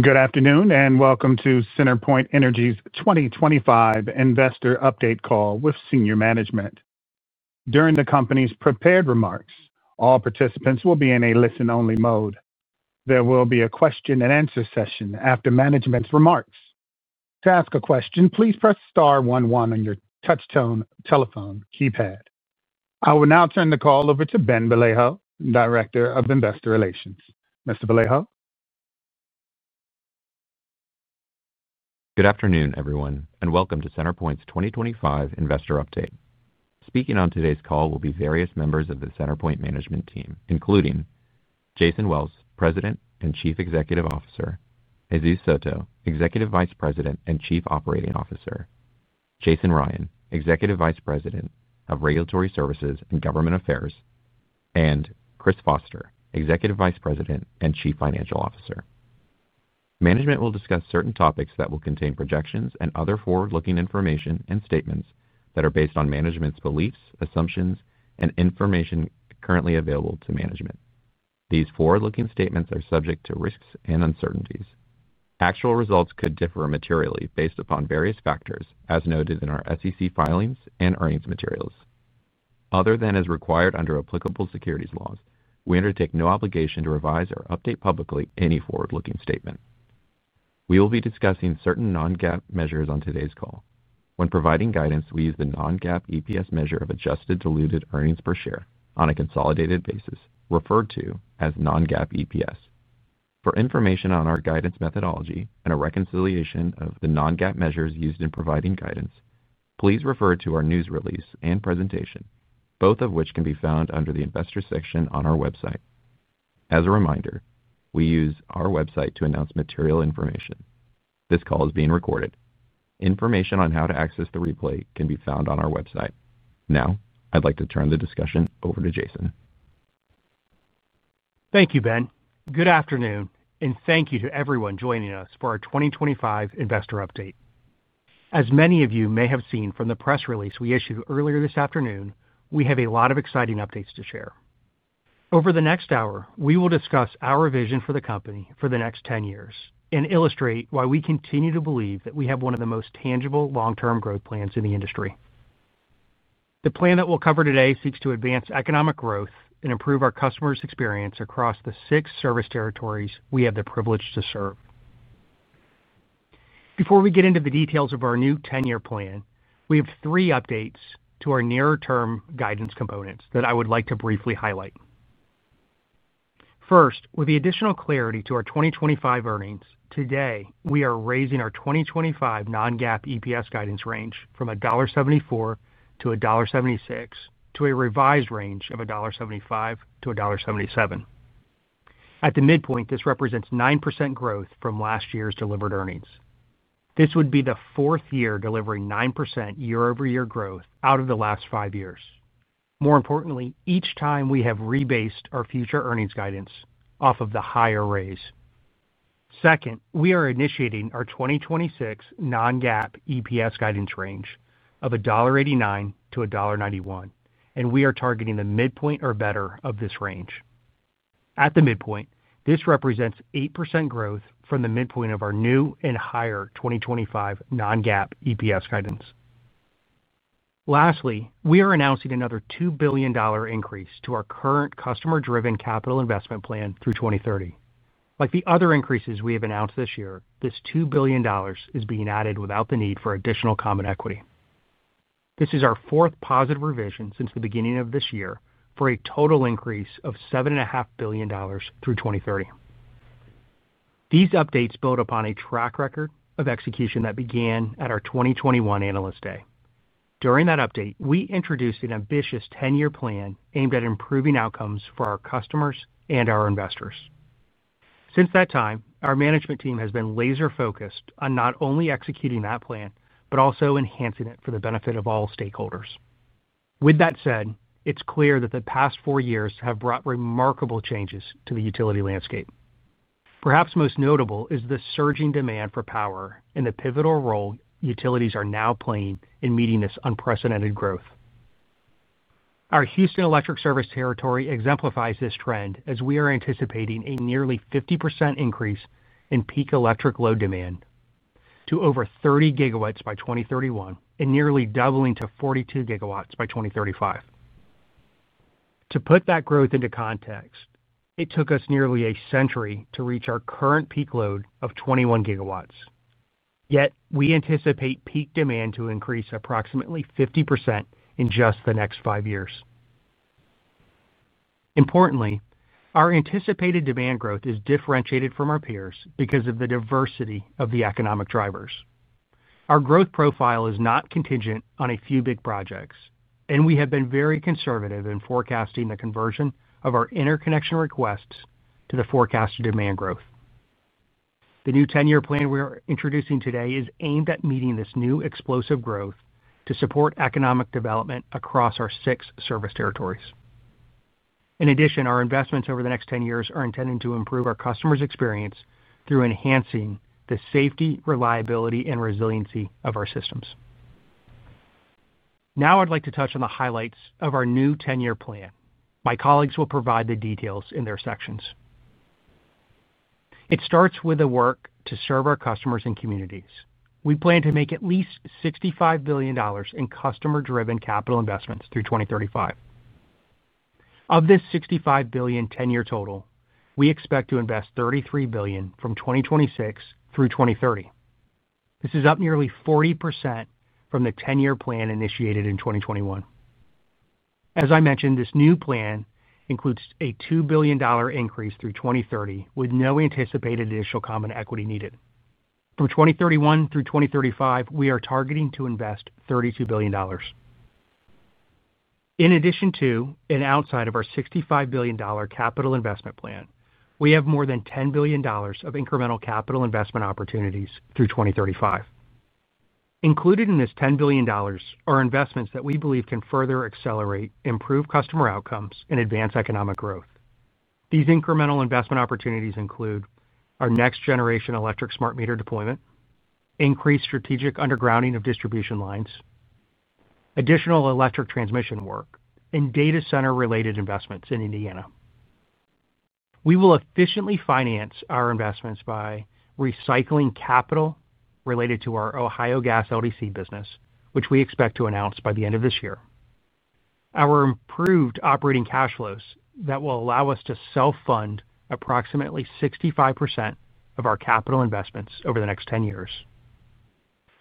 Good afternoon and welcome to CenterPoint Energy's 2025 Investor Update Call with Senior Management. During the company's prepared remarks, all participants will be in a listen-only mode. There will be a question-and-answer session after management's remarks. To ask a question, please press *11 on your touch-tone telephone keypad. I will now turn the call over to Ben Vallejo, Director of Investor Relations. Mr. Vallejo. Good afternoon, everyone, and welcome to CenterPoint Energy's 2025 Investor Update. Speaking on today's call will be various members of the CenterPoint Energy management team, including: Jason Wells, President and Chief Executive Officer; Jesus Soto, Executive Vice President and Chief Operating Officer; Jason Ryan, Executive Vice President of Regulatory Services and Government Affairs; and Chris Foster, Executive Vice President and Chief Financial Officer. Management will discuss certain topics that will contain projections and other forward-looking information and statements that are based on management's beliefs, assumptions, and information currently available to management. These forward-looking statements are subject to risks and uncertainties. Actual results could differ materially based upon various factors, as noted in our SEC filings and earnings materials. Other than as required under applicable securities laws, we undertake no obligation to revise or update publicly any forward-looking statement. We will be discussing certain non-GAAP measures on today's call. When providing guidance, we use the non-GAAP EPS measure of Adjusted Diluted Earnings Per Share on a consolidated basis, referred to as non-GAAP EPS. For information on our guidance methodology and a reconciliation of the non-GAAP measures used in providing guidance, please refer to our news release and presentation, both of which can be found under the Investors section on our website. As a reminder, we use our website to announce material information. This call is being recorded. Information on how to access the replay can be found on our website. Now, I'd like to turn the discussion over to Jason. Thank you, Ben. Good afternoon, and thank you to everyone joining us for our 2025 Investor Update. As many of you may have seen from the press release we issued earlier this afternoon, we have a lot of exciting updates to share. Over the next hour, we will discuss our vision for the company for the next 10 years and illustrate why we continue to believe that we have one of the most tangible long-term growth plans in the industry. The plan that we'll cover today seeks to advance economic growth and improve our customers' experience across the six service territories we have the privilege to serve. Before we get into the details of our new 10-year plan, we have three updates to our near-term guidance components that I would like to briefly highlight. First, with the additional clarity to our 2025 earnings, today we are raising our 2025 non-GAAP EPS guidance range from $1.74-$1.76 to a revised range of $1.75-$1.77. At the midpoint, this represents 9% growth from last year's delivered earnings. This would be the fourth year delivering 9% year-over-year growth out of the last five years. More importantly, each time we have rebased our future earnings guidance off of the higher raise. Second, we are initiating our 2026 non-GAAP EPS guidance range of $1.89-$1.91, and we are targeting the midpoint or better of this range. At the midpoint, this represents 8% growth from the midpoint of our new and higher 2025 non-GAAP EPS guidance. Lastly, we are announcing another $2 billion increase to our current customer-driven capital investment plan through 2030. Like the other increases we have announced this year, this $2 billion is being added without the need for additional common equity. This is our fourth positive revision since the beginning of this year for a total increase of $7.5 billion through 2030. These updates build upon a track record of execution that began at our 2021 Analyst Day. During that update, we introduced an ambitious 10-year plan aimed at improving outcomes for our customers and our investors. Since that time, our management team has been laser-focused on not only executing that plan but also enhancing it for the benefit of all stakeholders. With that said, it's clear that the past four years have brought remarkable changes to the utility landscape. Perhaps most notable is the surging demand for power and the pivotal role utilities are now playing in meeting this unprecedented growth. Our Houston Electric service territory exemplifies this trend as we are anticipating a nearly 50% increase in peak electric load demand to over 30 GW by 2031 and nearly doubling to 42 GW by 2035. To put that growth into context, it took us nearly a century to reach our current peak load of 21 GW. Yet, we anticipate peak demand to increase approximately 50% in just the next five years. Importantly, our anticipated demand growth is differentiated from our peers because of the diversity of the economic drivers. Our growth profile is not contingent on a few big projects, and we have been very conservative in forecasting the conversion of our interconnection requests to the forecast of demand growth. The new 10-year plan we are introducing today is aimed at meeting this new explosive growth to support economic development across our six service territories. In addition, our investments over the next 10 years are intended to improve our customers' experience through enhancing the safety, reliability, and resiliency of our systems. Now, I'd like to touch on the highlights of our new 10-year plan. My colleagues will provide the details in their sections. It starts with the work to serve our customers and communities. We plan to make at least $65 billion in customer-driven capital investments through 2035. Of this $65 billion 10-year total, we expect to invest $33 billion from 2026 through 2030. This is up nearly 40% from the 10-year plan initiated in 2021. As I mentioned, this new plan includes a $2 billion increase through 2030 with no anticipated additional common equity needed. From 2031 through 2035, we are targeting to invest $32 billion. In addition to and outside of our $65 billion capital investment plan, we have more than $10 billion of incremental capital investment opportunities through 2035. Included in this $10 billion are investments that we believe can further accelerate, improve customer outcomes, and advance economic growth. These incremental investment opportunities include our next-generation electric smart meter deployment, increased strategic undergrounding of distribution lines, additional electric transmission work, and data center related investments in Indiana. We will efficiently finance our investments by recycling capital related to our Ohio Gas LDC business, which we expect to announce by the end of this year. Our improved operating cash flows will allow us to self-fund approximately 65% of our capital investments over the next 10 years.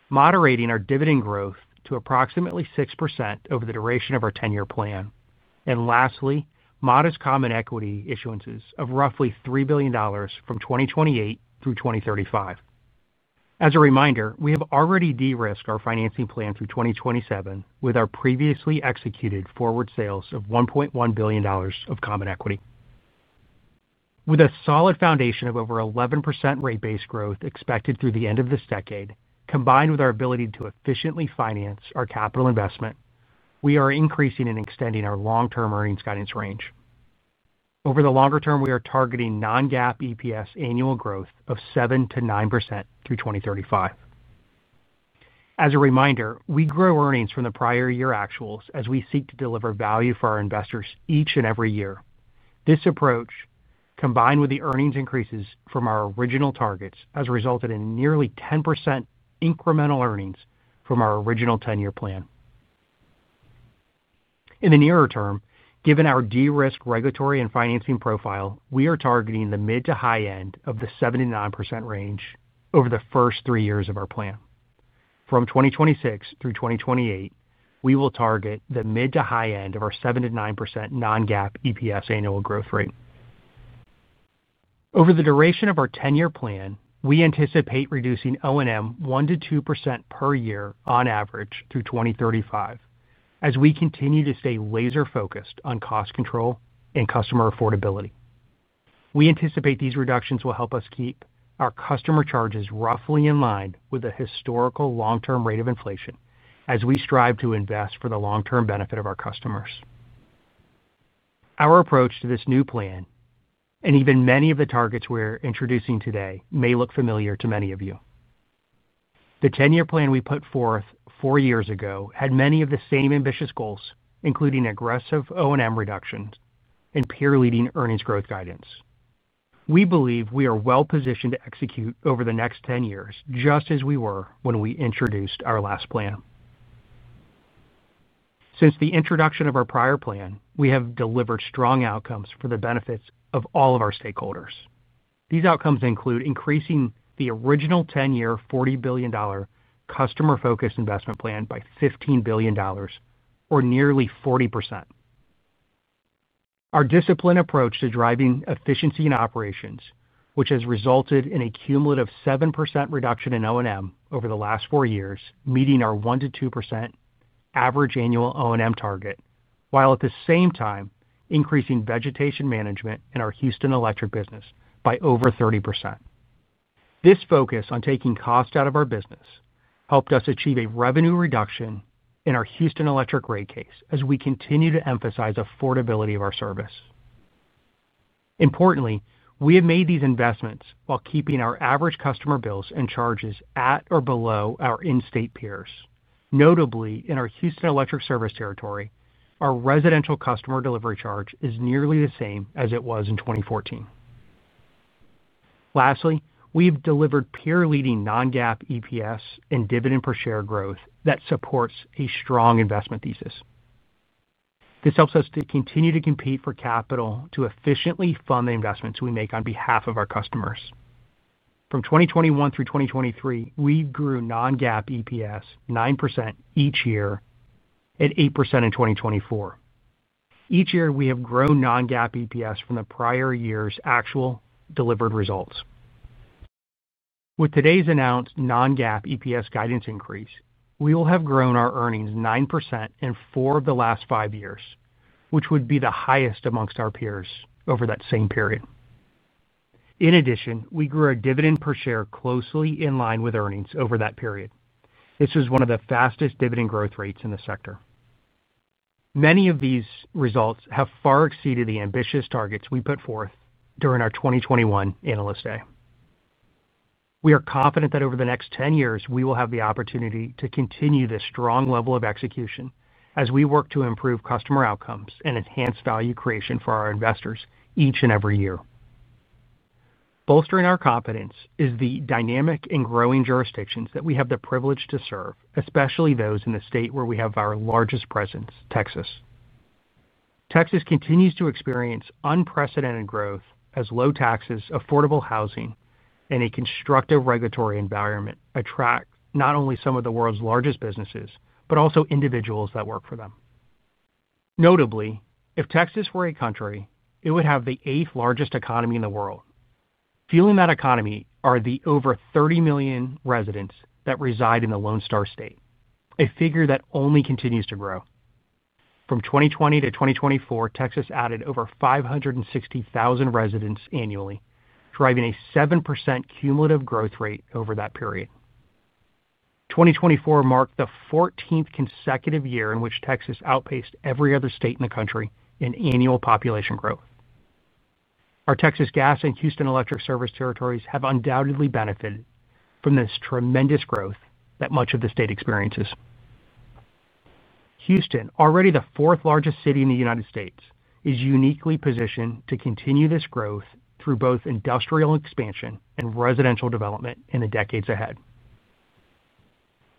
We are moderating our dividend growth to approximately 6% over the duration of our 10-year plan. Lastly, we expect modest common equity issuances of roughly $3 billion from 2028 through 2035. As a reminder, we have already de-risked our financing plan through 2027 with our previously executed forward sales of $1.1 billion of common equity. With a solid foundation of over 11% rate base growth expected through the end of this decade, combined with our ability to efficiently finance our capital investment, we are increasing and extending our long-term earnings guidance range. Over the longer term, we are targeting non-GAAP EPS annual growth of 7%-9% through 2035. As a reminder, we grow earnings from the prior year actuals as we seek to deliver value for our investors each and every year. This approach, combined with the earnings increases from our original targets, has resulted in nearly 10% incremental earnings from our original 10-year plan. In the nearer term, given our de-risked regulatory and financing profile, we are targeting the mid to high end of the 7%-9% range over the first three years of our plan. From 2026 through 2028, we will target the mid to high end of our 7%-9% non-GAAP EPS annual growth rate. Over the duration of our 10-year plan, we anticipate reducing O&M 1%-2% per year on average through 2035, as we continue to stay laser-focused on cost control and customer affordability. We anticipate these reductions will help us keep our customer charges roughly in line with the historical long-term rate of inflation as we strive to invest for the long-term benefit of our customers. Our approach to this new plan, and even many of the targets we're introducing today, may look familiar to many of you. The 10-year plan we put forth four years ago had many of the same ambitious goals, including aggressive O&M reductions and peer-leading earnings growth guidance. We believe we are well-positioned to execute over the next 10 years, just as we were when we introduced our last plan. Since the introduction of our prior plan, we have delivered strong outcomes for the benefit of all of our stakeholders. These outcomes include increasing the original 10-year $40 billion customer-focused investment plan by $15 billion, or nearly 40%. Our disciplined approach to driving efficiency in operations, which has resulted in a cumulative 7% reduction in O&M over the last four years, meeting our 1%-2% average annual O&M target, while at the same time increasing vegetation management in our Houston Electric business by over 30%. This focus on taking cost out of our business helped us achieve a revenue reduction in our Houston Electric rate case as we continue to emphasize affordability of our service. Importantly, we have made these investments while keeping our average customer bills and charges at or below our in-state peers. Notably, in our Houston Electric service territory, our residential customer delivery charge is nearly the same as it was in 2014. Lastly, we have delivered peer-leading non-GAAP EPS and dividend per share growth that supports a strong investment thesis. This helps us to continue to compete for capital to efficiently fund the investments we make on behalf of our customers. From 2021 through 2023, we grew non-GAAP EPS 9% each year and 8% in 2024. Each year, we have grown non-GAAP EPS from the prior year's actual delivered results. With today's announced non-GAAP EPS guidance increase, we will have grown our earnings 9% in four of the last five years, which would be the highest amongst our peers over that same period. In addition, we grew our dividend per share closely in line with earnings over that period. This is one of the fastest dividend growth rates in the sector. Many of these results have far exceeded the ambitious targets we put forth during our 2021 Analyst Day. We are confident that over the next 10 years, we will have the opportunity to continue this strong level of execution as we work to improve customer outcomes and enhance value creation for our investors each and every year. Bolstering our confidence is the dynamic and growing jurisdictions that we have the privilege to serve, especially those in the state where we have our largest presence, Texas. Texas continues to experience unprecedented growth as low taxes, affordable housing, and a constructive regulatory environment attract not only some of the world's largest businesses but also individuals that work for them. Notably, if Texas were a country, it would have the eighth largest economy in the world. Fueling that economy are the over 30 million residents that reside in the Lone Star State, a figure that only continues to grow. From 2020 to 2024, Texas added over 560,000 residents annually, driving a 7% cumulative growth rate over that period. 2024 marked the 14th consecutive year in which Texas outpaced every other state in the country in annual population growth. Our Texas Gas and Houston Electric service territories have undoubtedly benefited from this tremendous growth that much of the state experiences. Houston, already the fourth largest city in the United States, is uniquely positioned to continue this growth through both industrial expansion and residential development in the decades ahead.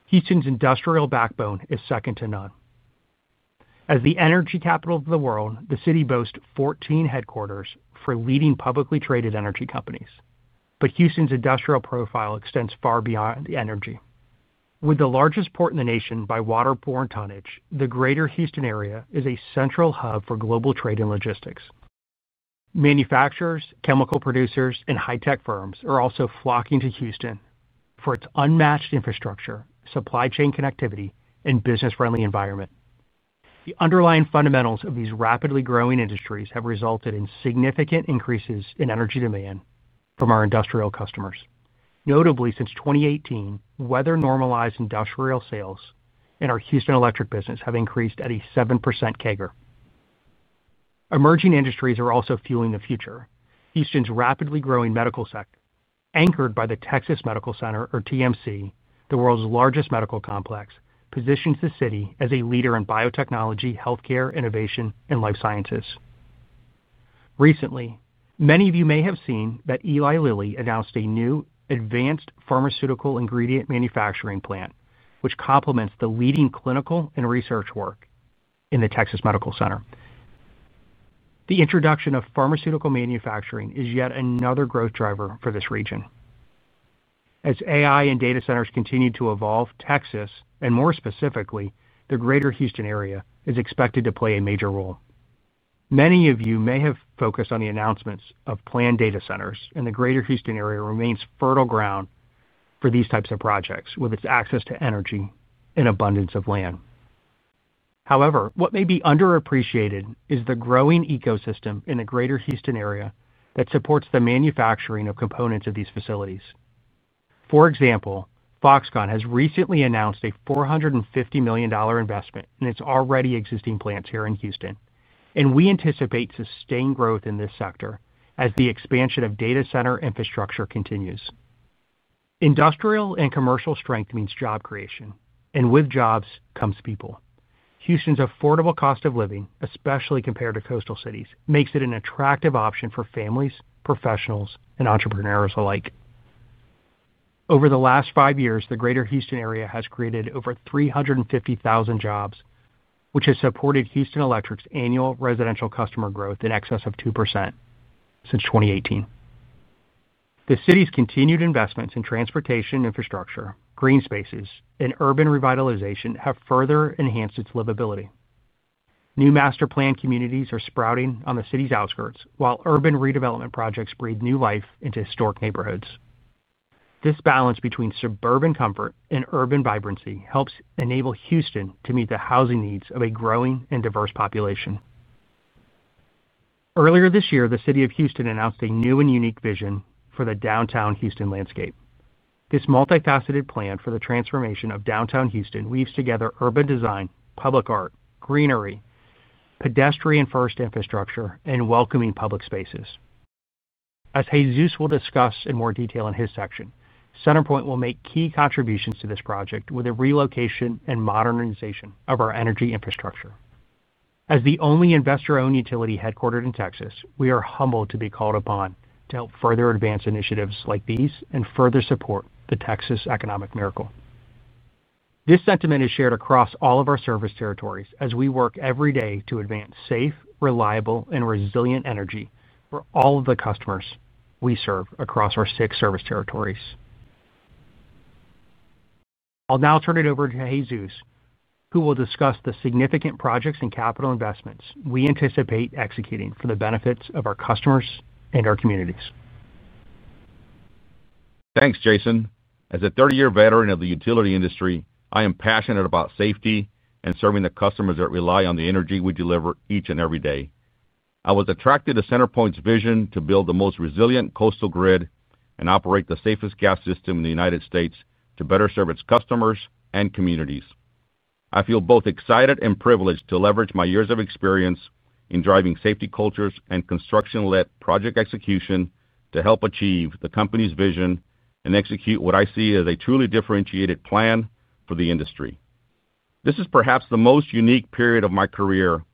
Houston's industrial backbone is second to none. As the energy capital of the world, the city boasts 14 headquarters for leading publicly traded energy companies. Houston's industrial profile extends far beyond energy. With the largest port in the nation by water port tonnage, the greater Houston area is a central hub for global trade and logistics. Manufacturers, chemical producers, and high-tech firms are also flocking to Houston for its unmatched infrastructure, supply chain connectivity, and business-friendly environment. The underlying fundamentals of these rapidly growing industries have resulted in significant increases in energy demand from our industrial customers. Notably, since 2018, weather-normalized industrial sales in our Houston Electric business have increased at a 7% CAGR. Emerging industries are also fueling the future. Houston's rapidly growing medical sector, anchored by the Texas Medical Center, or TMC, the world's largest medical complex, positions the city as a leader in biotechnology, healthcare, innovation, and life sciences. Recently, many of you may have seen that Eli Lilly announced a new advanced pharmaceutical ingredient manufacturing plant, which complements the leading clinical and research work in the Texas Medical Center. The introduction of pharmaceutical manufacturing is yet another growth driver for this region. As AI and data centers continue to evolve, Texas, and more specifically, the greater Houston area, is expected to play a major role. Many of you may have focused on the announcements of planned data centers, and the greater Houston area remains fertile ground for these types of projects with its access to energy and abundance of land. However, what may be underappreciated is the growing ecosystem in the greater Houston area that supports the manufacturing of components of these facilities. For example, Foxconn has recently announced a $450 million investment in its already existing plants here in Houston, and we anticipate sustained growth in this sector as the expansion of data center infrastructure continues. Industrial and commercial strength means job creation, and with jobs comes people. Houston's affordable cost of living, especially compared to coastal cities, makes it an attractive option for families, professionals, and entrepreneurs alike. Over the last five years, the greater Houston area has created over 350,000 jobs, which has supported Houston Electric's annual residential customer growth in excess of 2% since 2018. The city's continued investments in transportation infrastructure, green spaces, and urban revitalization have further enhanced its livability. New master plan communities are sprouting on the city's outskirts, while urban redevelopment projects breathe new life into historic neighborhoods. This balance between suburban comfort and urban vibrancy helps enable Houston to meet the housing needs of a growing and diverse population. Earlier this year, the city of Houston announced a new and unique vision for the downtown Houston landscape. This multifaceted plan for the transformation of downtown Houston weaves together urban design, public art, greenery, pedestrian-first infrastructure, and welcoming public spaces. As Jesus will discuss in more detail in his section, CenterPoint will make key contributions to this project with the relocation and modernization of our energy infrastructure. As the only investor-owned utility headquartered in Texas, we are humbled to be called upon to help further advance initiatives like these and further support the Texas economic miracle. This sentiment is shared across all of our service territories as we work every day to advance safe, reliable, and resilient energy for all of the customers we serve across our six service territories. I'll now turn it over to Jesus, who will discuss the significant projects and capital investments we anticipate executing for the benefits of our customers and our communities. Thanks, Jason. As a 30-year veteran of the utility industry, I am passionate about safety and serving the customers that rely on the energy we deliver each and every day. I was attracted to CenterPoint's vision to build the most resilient coastal grid and operate the safest gas system in the United States to better serve its customers and communities. I feel both excited and privileged to leverage my years of experience in driving safety cultures and construction-led project execution to help achieve the company's vision and execute what I see as a truly differentiated plan for the industry. This is perhaps the most unique period of my career,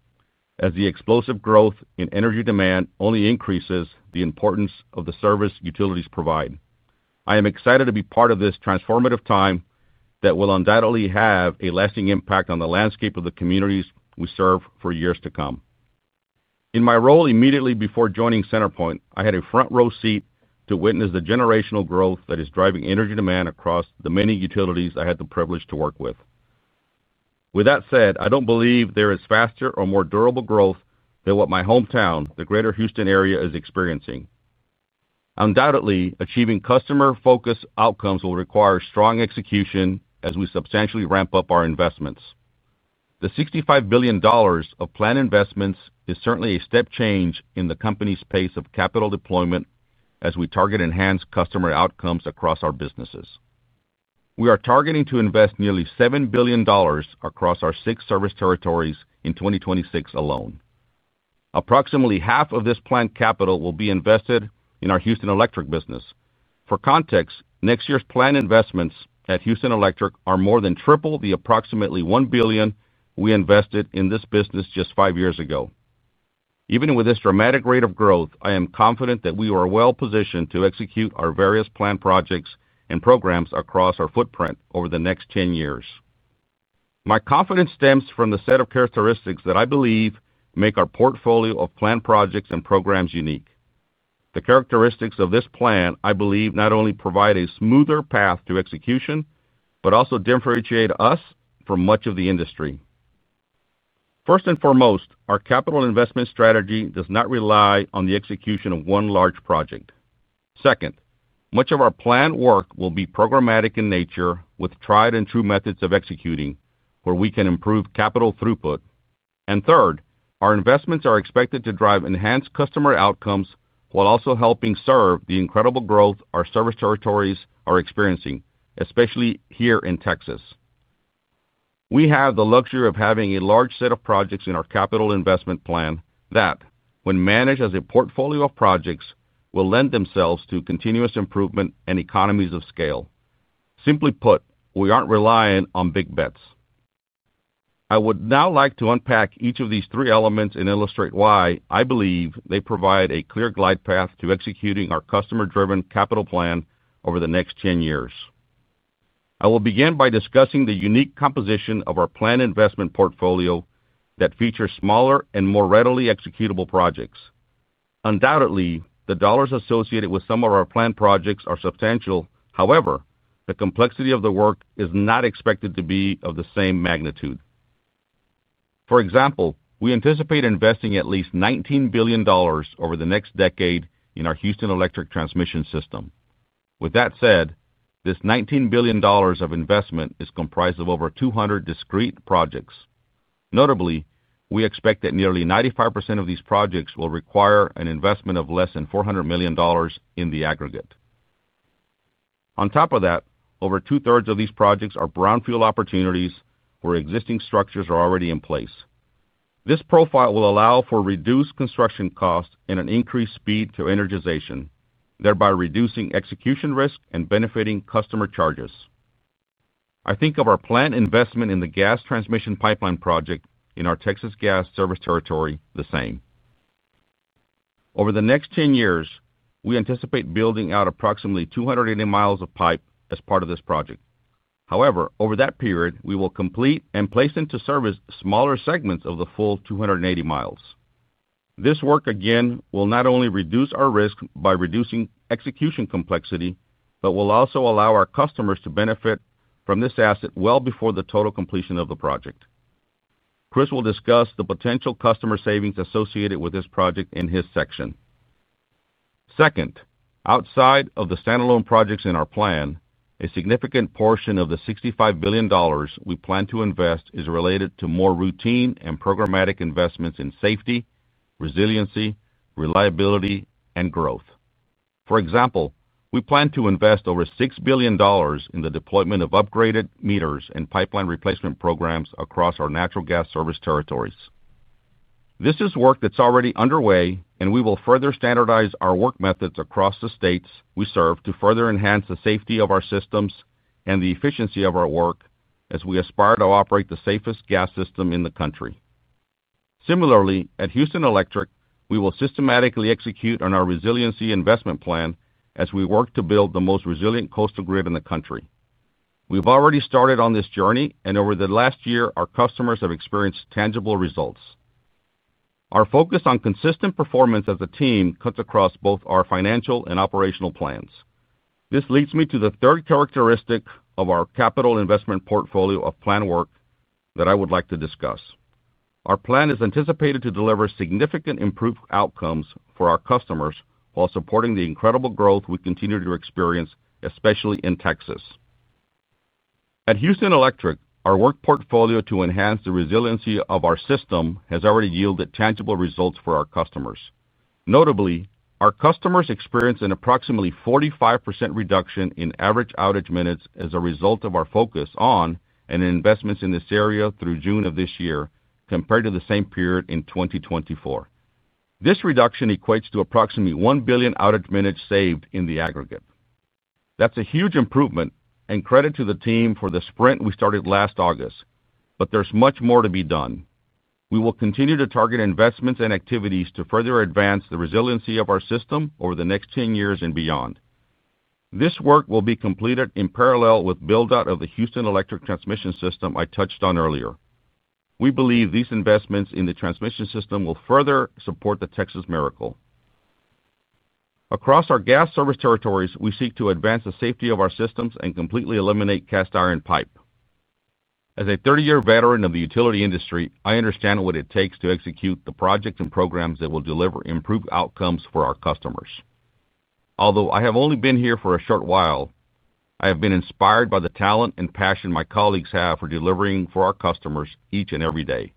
as the explosive growth in energy demand only increases the importance of the service utilities provide. I am excited to be part of this transformative time that will undoubtedly have a lasting impact on the landscape of the communities we serve for years to come. In my role immediately before joining CenterPoint, I had a front-row seat to witness the generational growth that is driving energy demand across the many utilities I had the privilege to work with. With that said, I don't believe there is faster or more durable growth than what my hometown, the greater Houston area, is experiencing. Undoubtedly, achieving customer-focused outcomes will require strong execution as we substantially ramp up our investments. The $65 billion of planned investments is certainly a step change in the company's pace of capital deployment as we target enhanced customer outcomes across our businesses. We are targeting to invest nearly $7 billion across our six service territories in 2026 alone. Approximately half of this planned capital will be invested in our Houston Electric business. For context, next year's planned investments at Houston Electric are more than triple the approximately $1 billion we invested in this business just five years ago. Even with this dramatic rate of growth, I am confident that we are well-positioned to execute our various planned projects and programs across our footprint over the next 10 years. My confidence stems from the set of characteristics that I believe make our portfolio of planned projects and programs unique. The characteristics of this plan, I believe, not only provide a smoother path to execution but also differentiate us from much of the industry. First and foremost, our capital investment strategy does not rely on the execution of one large project. Second, much of our planned work will be programmatic in nature with tried-and-true methods of executing where we can improve capital throughput. Third, our investments are expected to drive enhanced customer outcomes while also helping serve the incredible growth our service territories are experiencing, especially here in Texas. We have the luxury of having a large set of projects in our capital investment plan that, when managed as a portfolio of projects, will lend themselves to continuous improvement and economies of scale. Simply put, we aren't reliant on big bets. I would now like to unpack each of these three elements and illustrate why I believe they provide a clear glide path to executing our customer-driven capital plan over the next 10 years. I will begin by discussing the unique composition of our planned investment portfolio that features smaller and more readily executable projects. Undoubtedly, the dollars associated with some of our planned projects are substantial. However, the complexity of the work is not expected to be of the same magnitude. For example, we anticipate investing at least $19 billion over the next decade in our Houston Electric transmission system. With that said, this $19 billion of investment is comprised of over 200 discrete projects. Notably, we expect that nearly 95% of these projects will require an investment of less than $400 million in the aggregate. On top of that, over 2/3 of these projects are brownfield opportunities where existing structures are already in place. This profile will allow for reduced construction costs and an increased speed to energization, thereby reducing execution risk and benefiting customer charges. I think of our planned investment in the gas transmission pipeline project in our Texas Gas Service Territory the same. Over the next 10 years, we anticipate building out approximately 280 mi of pipe as part of this project. However, over that period, we will complete and place into service smaller segments of the full 280 mi. This work, again, will not only reduce our risk by reducing execution complexity but will also allow our customers to benefit from this asset well before the total completion of the project. Chris will discuss the potential customer savings associated with this project in his section. Second, outside of the standalone projects in our plan, a significant portion of the $65 billion we plan to invest is related to more routine and programmatic investments in safety, resiliency, reliability, and growth. For example, we plan to invest over $6 billion in the deployment of upgraded meters and pipeline replacement programs across our natural gas service territories. This is work that's already underway, and we will further standardize our work methods across the states we serve to further enhance the safety of our systems and the efficiency of our work as we aspire to operate the safest gas system in the country. Similarly, at Houston Electric, we will systematically execute on our resiliency investment plan as we work to build the most resilient coastal grid in the country. We've already started on this journey, and over the last year, our customers have experienced tangible results. Our focus on consistent performance as a team cuts across both our financial and operational plans. This leads me to the third characteristic of our capital investment portfolio of planned work that I would like to discuss. Our plan is anticipated to deliver significant improved outcomes for our customers while supporting the incredible growth we continue to experience, especially in Texas. At Houston Electric, our work portfolio to enhance the resiliency of our system has already yielded tangible results for our customers. Notably, our customers experience an approximately 45% reduction in average outage minutes as a result of our focus on and investments in this area through June of this year compared to the same period in 2024. This reduction equates to approximately 1 billion outage minutes saved in the aggregate. That's a huge improvement, and credit to the team for the sprint we started last August, but there's much more to be done. We will continue to target investments and activities to further advance the resiliency of our system over the next 10 years and beyond. This work will be completed in parallel with the build-out of the Houston Electric transmission system I touched on earlier. We believe these investments in the transmission system will further support the Texas miracle. Across our gas service territories, we seek to advance the safety of our systems and completely eliminate cast iron pipe. As a 30-year veteran of the utility industry, I understand what it takes to execute the projects and programs that will deliver improved outcomes for our customers. Although I have only been here for a short while, I have been inspired by the talent and passion my colleagues have for delivering for our customers each and every day.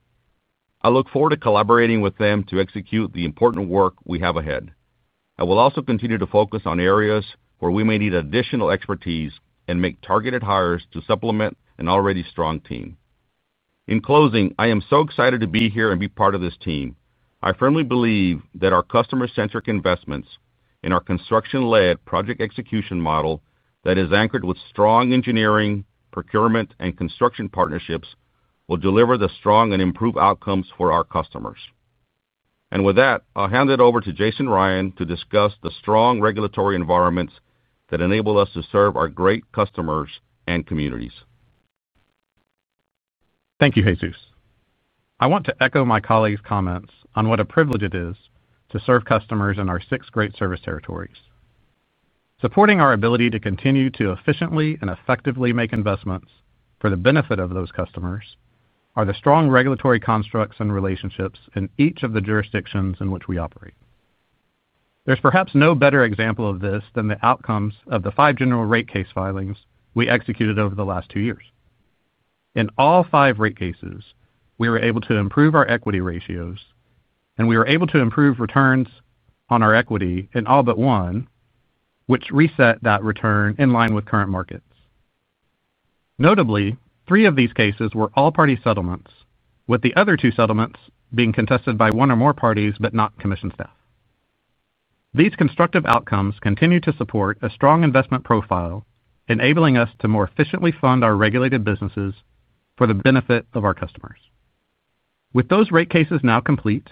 I look forward to collaborating with them to execute the important work we have ahead. I will also continue to focus on areas where we may need additional expertise and make targeted hires to supplement an already strong team. In closing, I am so excited to be here and be part of this team. I firmly believe that our customer-centric investments in our construction-led project execution model that is anchored with strong engineering, procurement, and construction partnerships will deliver the strong and improved outcomes for our customers. With that, I'll hand it over to Jason Ryan to discuss the strong regulatory environments that enable us to serve our great customers and communities. Thank you, Jesus. I want to echo my colleagues' comments on what a privilege it is to serve customers in our six great service territories. Supporting our ability to continue to efficiently and effectively make investments for the benefit of those customers are the strong regulatory constructs and relationships in each of the jurisdictions in which we operate. There's perhaps no better example of this than the outcomes of the five general rate case filings we executed over the last two years. In all five rate cases, we were able to improve our equity ratios, and we were able to improve returns on our equity in all but one, which reset that return in line with current markets. Notably, three of these cases were all-party settlements, with the other two settlements being contested by one or more parties but not commission staff. These constructive outcomes continue to support a strong investment profile, enabling us to more efficiently fund our regulated businesses for the benefit of our customers. With those rate cases now complete,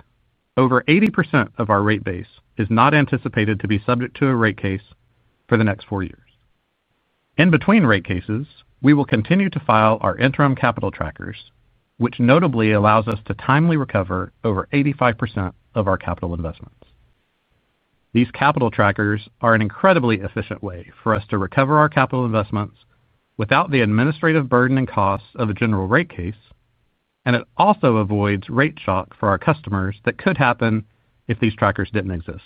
over 80% of our rate base is not anticipated to be subject to a rate case for the next four years. In between rate cases, we will continue to file our interim capital trackers, which notably allow us to timely recover over 85% of our capital investments. These capital trackers are an incredibly efficient way for us to recover our capital investments without the administrative burden and costs of a general rate case, and it also avoids rate shock for our customers that could happen if these trackers didn't exist.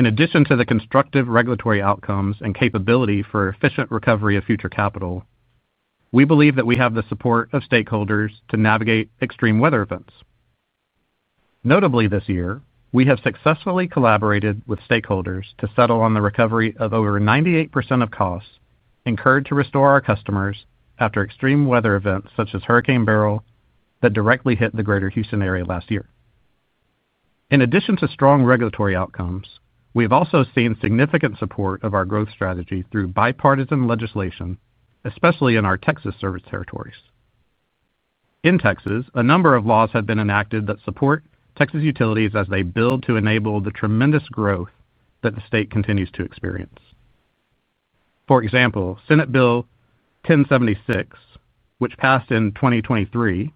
In addition to the constructive regulatory outcomes and capability for efficient recovery of future capital, we believe that we have the support of stakeholders to navigate extreme weather events. Notably, this year, we have successfully collaborated with stakeholders to settle on the recovery of over 98% of costs incurred to restore our customers after extreme weather events such as Hurricane Beryl that directly hit the greater Houston area last year. In addition to strong regulatory outcomes, we have also seen significant support of our growth strategy through bipartisan legislation, especially in our Texas service territories. In Texas, a number of laws have been enacted that support Texas utilities as they build to enable the tremendous growth that the state continues to experience. For example, Senate Bill 1076, which passed in 2023,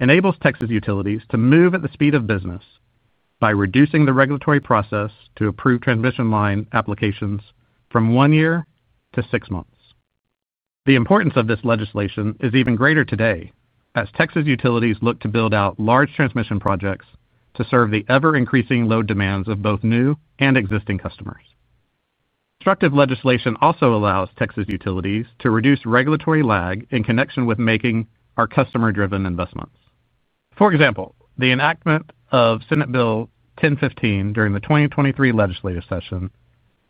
enables Texas utilities to move at the speed of business by reducing the regulatory process to approve transmission line applications from one year to six months. The importance of this legislation is even greater today as Texas utilities look to build out large transmission projects to serve the ever-increasing load demands of both new and existing customers. Constructive legislation also allows Texas utilities to reduce regulatory lag in connection with making our customer-driven investments. For example, the enactment of Senate Bill 1015 during the 2023 legislative session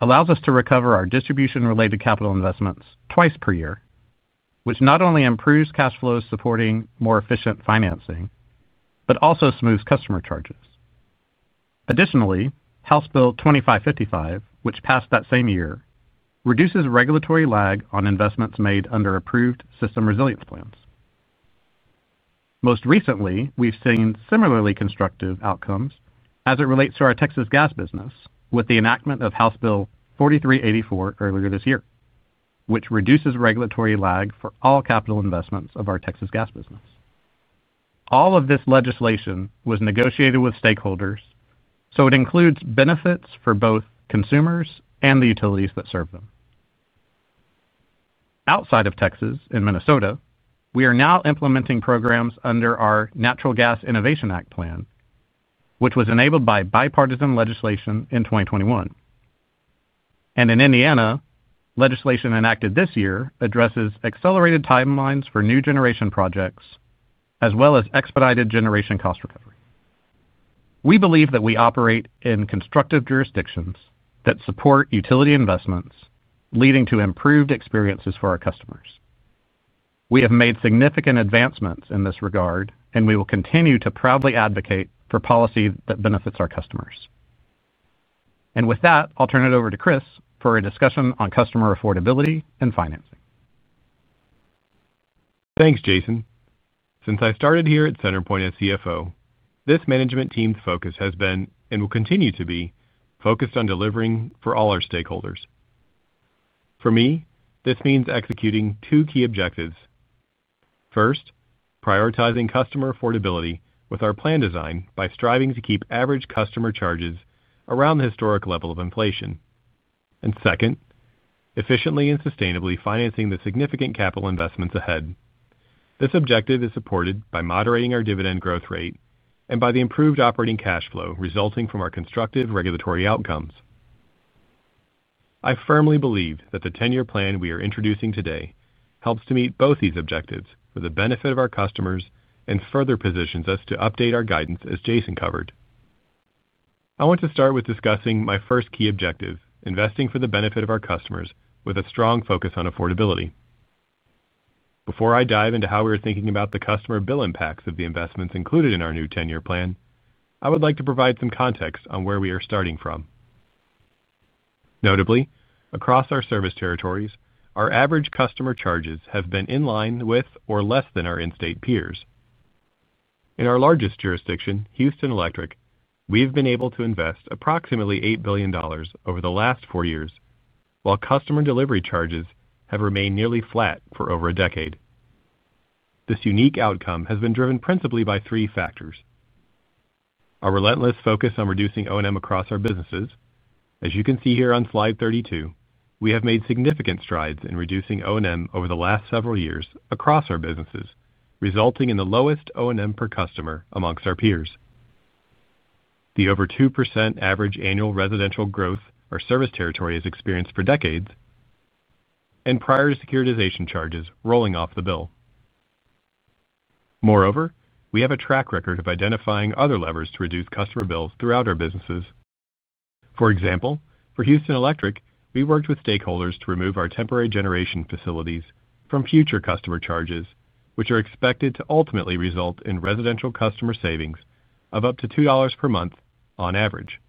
allows us to recover our distribution-related capital investments twice per year, which not only improves cash flows supporting more efficient financing but also smooths customer charges. Additionally, House Bill 2555, which passed that same year, reduces regulatory lag on investments made under approved System Resiliency Plans. Most recently, we've seen similarly constructive outcomes as it relates to our Texas gas business with the enactment of House Bill 4384 earlier this year, which reduces regulatory lag for all capital investments of our Texas gas business. All of this legislation was negotiated with stakeholders, so it includes benefits for both consumers and the utilities that serve them. Outside of Texas, in Minnesota, we are now implementing programs under our Natural Gas Innovation Act plan, which was enabled by bipartisan legislation in 2021. In Indiana, legislation enacted this year addresses accelerated timelines for new generation projects as well as expedited generation cost recovery. We believe that we operate in constructive jurisdictions that support utility investments, leading to improved experiences for our customers. We have made significant advancements in this regard, and we will continue to proudly advocate for policy that benefits our customers. With that, I'll turn it over to Chris for a discussion on customer affordability and financing. Thanks, Jason. Since I started here at CenterPoint as CFO, this management team's focus has been and will continue to be focused on delivering for all our stakeholders. For me, this means executing two key objectives. First, prioritizing customer affordability with our plan design by striving to keep average customer charges around the historic level of inflation. Second, efficiently and sustainably financing the significant capital investments ahead. This objective is supported by moderating our dividend growth rate and by the improved operating cash flow resulting from our constructive regulatory outcomes. I firmly believe that the 10-year plan we are introducing today helps to meet both these objectives for the benefit of our customers and further positions us to update our guidance, as Jason covered. I want to start with discussing my first key objective: investing for the benefit of our customers with a strong focus on affordability. Before I dive into how we are thinking about the customer bill impacts of the investments included in our new 10-year plan, I would like to provide some context on where we are starting from. Notably, across our service territories, our average customer charges have been in line with or less than our in-state peers. In our largest jurisdiction, Houston Electric, we have been able to invest approximately $8 billion over the last four years, while customer delivery charges have remained nearly flat for over a decade. This unique outcome has been driven principally by three factors. Our relentless focus on reducing O&M across our businesses, as you can see here on slide 32, we have made significant strides in reducing O&M over the last several years across our businesses, resulting in the lowest O&M per customer amongst our peers. The over 2% average annual residential growth our service territory has experienced for decades, and prior to securitization charges rolling off the bill. Moreover, we have a track record of identifying other levers to reduce customer bills throughout our businesses. For example, for Houston Electric, we worked with stakeholders to remove our temporary generation facilities from future customer charges, which are expected to ultimately result in residential customer savings of up to $2 per month on average.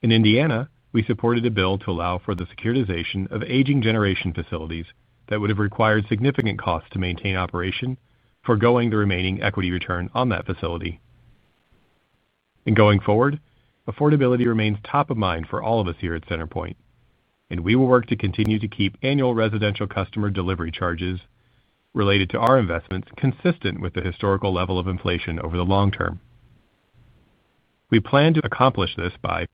In Indiana, we supported a bill to allow for the securitization of aging generation facilities that would have required significant costs to maintain operation, forgoing the remaining equity return on that facility. Going forward, affordability remains top of mind for all of us here at CenterPoint, and we will work to continue to keep annual residential customer delivery charges related to our investments consistent with the historical level of inflation over the long term. We plan to accomplish this by,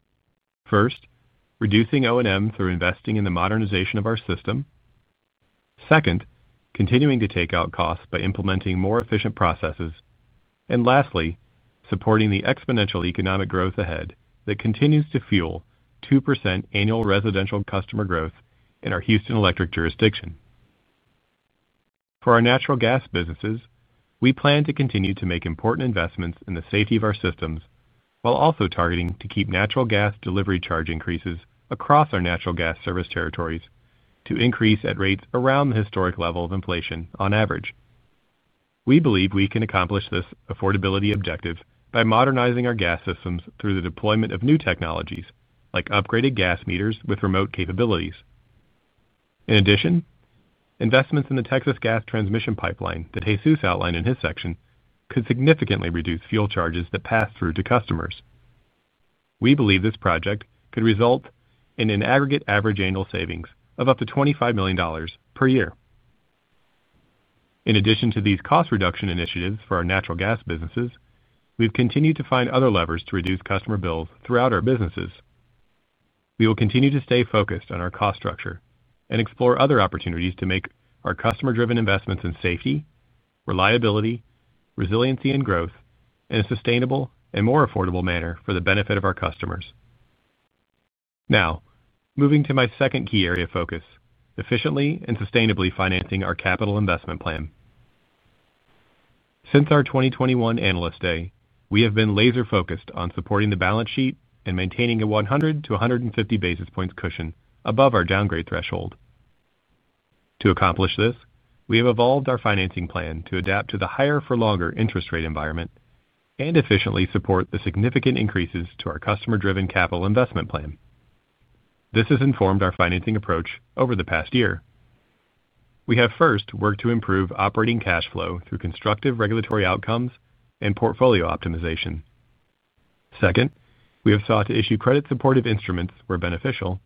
first, reducing O&M through investing in the modernization of our system, second, continuing to take out costs by implementing more efficient processes, and lastly, supporting the exponential economic growth ahead that continues to fuel 2% annual residential customer growth in our Houston Electric jurisdiction. For our natural gas businesses, we plan to continue to make important investments in the safety of our systems while also targeting to keep natural gas delivery charge increases across our natural gas service territories to increase at rates around the historic level of inflation on average. We believe we can accomplish this affordability objective by modernizing our gas systems through the deployment of new technologies like upgraded gas meters with remote capabilities. In addition, investments in the Texas gas transmission pipeline that Jesus outlined in his section could significantly reduce fuel charges that pass through to customers. We believe this project could result in an aggregate average annual savings of up to $25 million per year. In addition to these cost reduction initiatives for our natural gas businesses, we've continued to find other levers to reduce customer bills throughout our businesses. We will continue to stay focused on our cost structure and explore other opportunities to make our customer-driven investments in safety, reliability, resiliency, and growth in a sustainable and more affordable manner for the benefit of our customers. Now, moving to my second key area of focus: efficiently and sustainably financing our capital investment plan. Since our 2021 Analyst Day, we have been laser-focused on supporting the balance sheet and maintaining a 100-150 basis points cushion above our downgrade threshold. To accomplish this, we have evolved our financing plan to adapt to the higher-for-longer interest rate environment and efficiently support the significant increases to our customer-driven capital investment plan. This has informed our financing approach over the past year. We have first worked to improve operating cash flow through constructive regulatory outcomes and portfolio optimization. Second, we have sought to issue credit-supportive instruments where beneficial,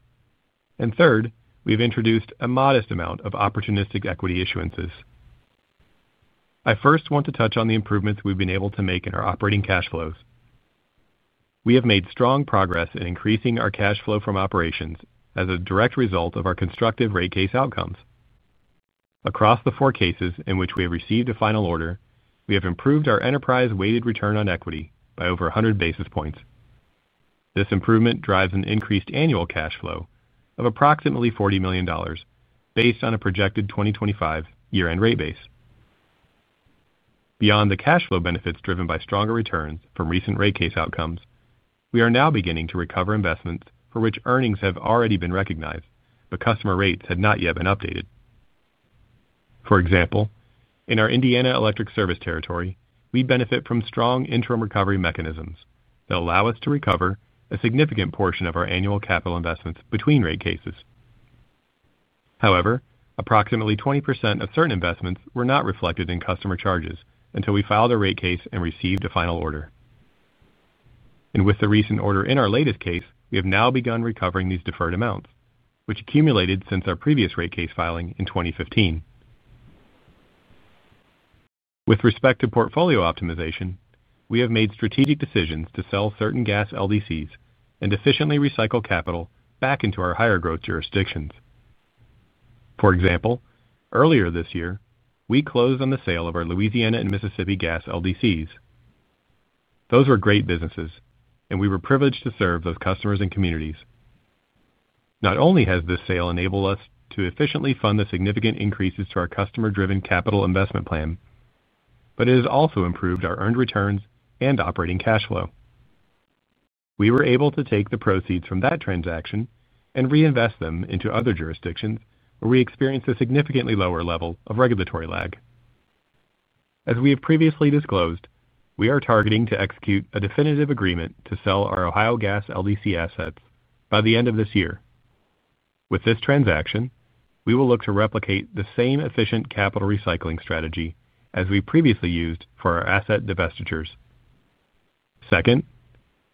and third, we've introduced a modest amount of opportunistic equity issuances. I first want to touch on the improvements we've been able to make in our operating cash flows. We have made strong progress in increasing our cash flow from operations as a direct result of our constructive rate case outcomes. Across the four cases in which we have received a final order, we have improved our enterprise weighted return on equity by over 100 basis points. This improvement drives an increased annual cash flow of approximately $40 million based on a projected 2025 year-end rate base. Beyond the cash flow benefits driven by stronger returns from recent rate case outcomes, we are now beginning to recover investments for which earnings have already been recognized, but customer rates had not yet been updated. For example, in our Indiana Electric Service Territory, we benefit from strong interim recovery mechanisms that allow us to recover a significant portion of our annual capital investments between rate cases. However, approximately 20% of certain investments were not reflected in customer charges until we filed a rate case and received a final order. With the recent order in our latest case, we have now begun recovering these deferred amounts, which accumulated since our previous rate case filing in 2015. With respect to portfolio optimization, we have made strategic decisions to sell certain gas LDCs and efficiently recycle capital back into our higher growth jurisdictions. For example, earlier this year, we closed on the sale of our Louisiana and Mississippi gas LDCs. Those were great businesses, and we were privileged to serve those customers and communities. Not only has this sale enabled us to efficiently fund the significant increases to our customer-driven capital investment plan, but it has also improved our earned returns and operating cash flow. We were able to take the proceeds from that transaction and reinvest them into other jurisdictions where we experienced a significantly lower level of regulatory lag. As we have previously disclosed, we are targeting to execute a definitive agreement to sell our Ohio Gas LDC assets by the end of this year. With this transaction, we will look to replicate the same efficient capital recycling strategy as we previously used for our asset divestitures. Second,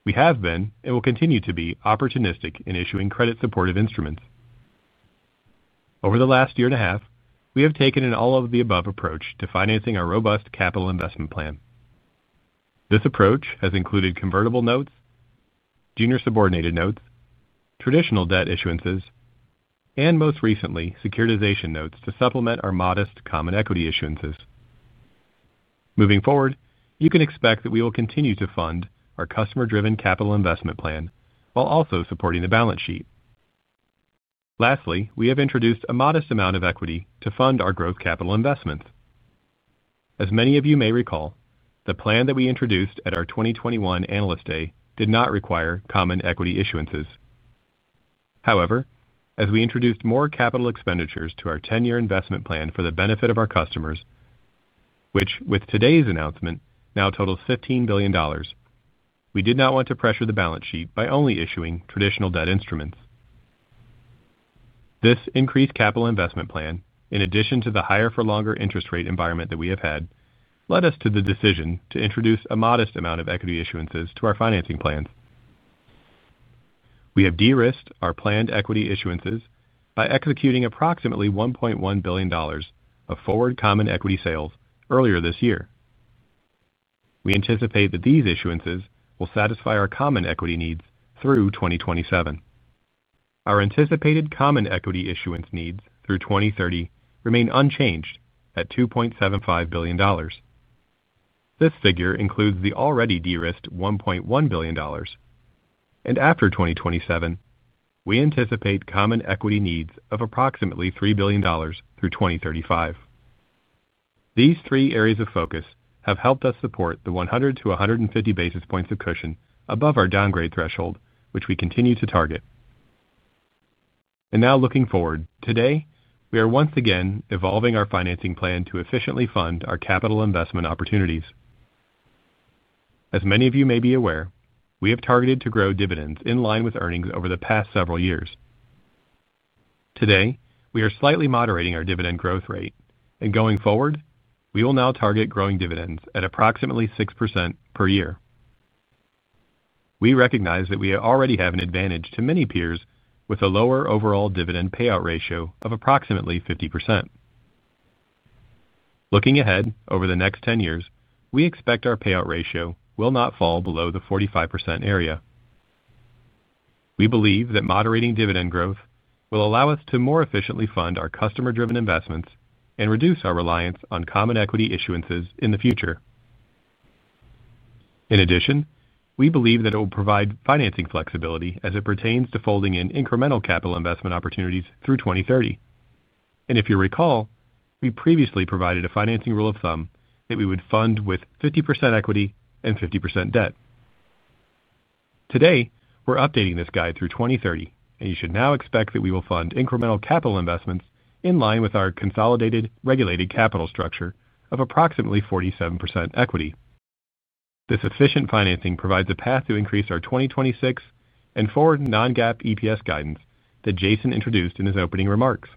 we have been and will continue to be opportunistic in issuing credit-supportive instruments. Over the last year and a half, we have taken an all-of-the-above approach to financing our robust capital investment plan. This approach has included convertible notes, junior subordinated notes, traditional debt issuances, and most recently, securitization notes to supplement our modest common equity issuances. Moving forward, you can expect that we will continue to fund our customer-driven capital investment plan while also supporting the balance sheet. Lastly, we have introduced a modest amount of equity to fund our growth capital investments. As many of you may recall, the plan that we introduced at our 2021 Analyst Day did not require common equity issuances. However, as we introduced more capital expenditures to our 10-year investment plan for the benefit of our customers, which with today's announcement now totals $15 billion, we did not want to pressure the balance sheet by only issuing traditional debt instruments. This increased capital investment plan, in addition to the higher-for-longer interest rate environment that we have had, led us to the decision to introduce a modest amount of equity issuances to our financing plans. We have de-risked our planned equity issuances by executing approximately $1.1 billion of forward common equity sales earlier this year. We anticipate that these issuances will satisfy our common equity needs through 2027. Our anticipated common equity issuance needs through 2030 remain unchanged at $2.75 billion. This figure includes the already de-risked $1.1 billion, and after 2027, we anticipate common equity needs of approximately $3 billion through 2035. These three areas of focus have helped us support the 100-150 basis points of cushion above our downgrade threshold, which we continue to target. Looking forward, today we are once again evolving our financing plan to efficiently fund our capital investment opportunities. As many of you may be aware, we have targeted to grow dividends in line with earnings over the past several years. Today, we are slightly moderating our dividend growth rate, and going forward, we will now target growing dividends at approximately 6% per year. We recognize that we already have an advantage to many peers with a lower overall dividend payout ratio of approximately 50%. Looking ahead over the next 10 years, we expect our payout ratio will not fall below the 45% area. We believe that moderating dividend growth will allow us to more efficiently fund our customer-driven investments and reduce our reliance on common equity issuances in the future. In addition, we believe that it will provide financing flexibility as it pertains to folding in incremental capital investment opportunities through 2030. If you recall, we previously provided a financing rule of thumb that we would fund with 50% equity and 50% debt. Today, we're updating this guide through 2030, and you should now expect that we will fund incremental capital investments in line with our consolidated regulated capital structure of approximately 47% equity. This efficient financing provides a path to increase our 2026 and forward non-GAAP EPS guidance that Jason introduced in his opening remarks.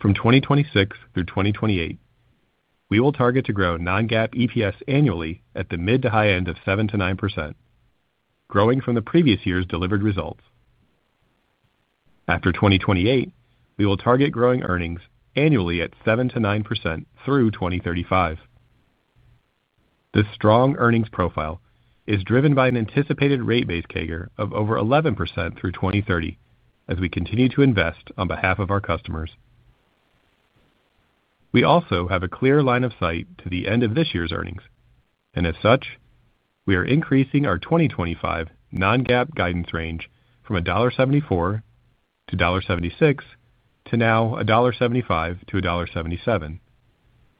From 2026 through 2028, we will target to grow non-GAAP EPS annually at the mid to high end of 7%-9%, growing from the previous year's delivered results. After 2028, we will target growing earnings annually at 7%-9% through 2035. This strong earnings profile is driven by an anticipated rate base CAGR of over 11% through 2030 as we continue to invest on behalf of our customers. We also have a clear line of sight to the end of this year's earnings, and as such, we are increasing our 2025 non-GAAP guidance range from $1.74-$1.76 to now $1.75-$1.77,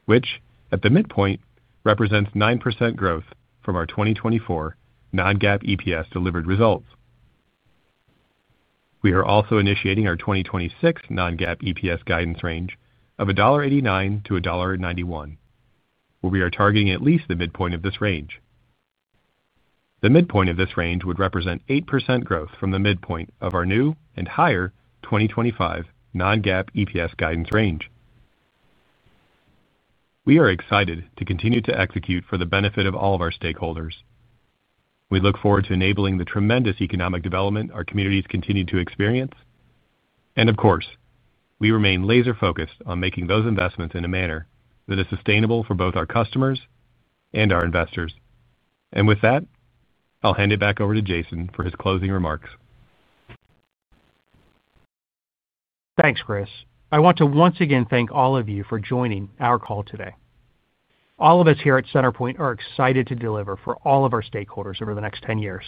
which at the midpoint represents 9% growth from our 2024 non-GAAP EPS delivered results. We are also initiating our 2026 non-GAAP EPS guidance range of $1.89-$1.91, where we are targeting at least the midpoint of this range. The midpoint of this range would represent 8% growth from the midpoint of our new and higher 2025 non-GAAP EPS guidance range. We are excited to continue to execute for the benefit of all of our stakeholders. We look forward to enabling the tremendous economic development our communities continue to experience. We remain laser-focused on making those investments in a manner that is sustainable for both our customers and our investors. With that, I'll hand it back over to Jason for his closing remarks. Thanks, Chris. I want to once again thank all of you for joining our call today. All of us here at CenterPoint are excited to deliver for all of our stakeholders over the next 10 years.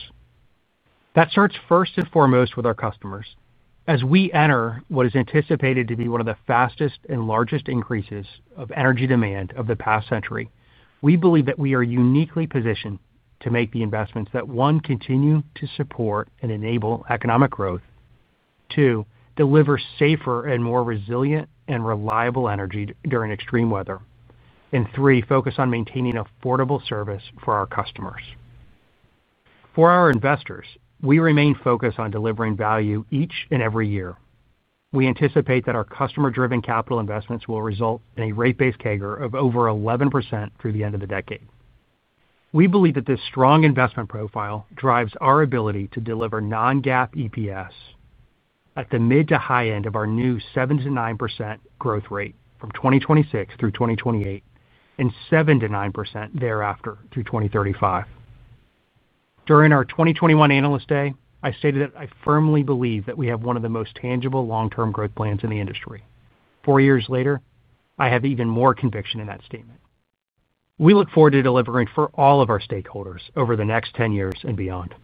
That starts first and foremost with our customers. As we enter what is anticipated to be one of the fastest and largest increases of energy demand of the past century, we believe that we are uniquely positioned to make the investments that, one, continue to support and enable economic growth, two, deliver safer and more resilient and reliable energy during extreme weather, and three, focus on maintaining affordable service for our customers. For our investors, we remain focused on delivering value each and every year. We anticipate that our customer-driven capital investments will result in a rate-based CAGR of over 11% through the end of the decade. We believe that this strong investment profile drives our ability to deliver non-GAAP EPS at the mid to high end of our new 7%-9% growth rate from 2026 through 2028 and 7%-9% thereafter through 2035. During our 2021 Analyst Day, I stated that I firmly believe that we have one of the most tangible long-term growth plans in the industry. Four years later, I have even more conviction in that statement. We look forward to delivering for all of our stakeholders over the next 10 years and beyond.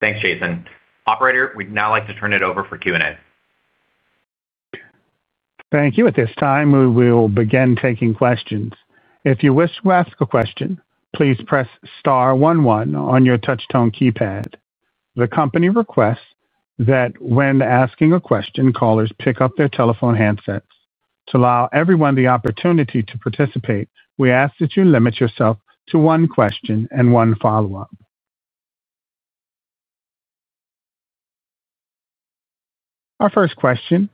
Thanks, Jason. Operator, we'd now like to turn it over for Q&A. Thank you. At this time, we will begin taking questions. If you wish to ask a question, please press *11 on your touch-tone keypad. The company requests that when asking a question, callers pick up their telephone handsets. To allow everyone the opportunity to participate, we ask that you limit yourself to one question and one follow-up. Our first question